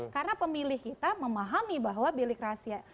karena pemilih kita memahami bahwa bilik rahasia